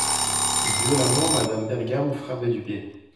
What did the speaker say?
Violemment, Madame Bergam frappait du pied.